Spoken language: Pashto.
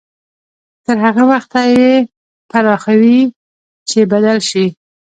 تر هغه وخته يې پراخوي چې بدل شي.